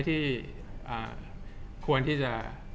ที่ควรที่จะ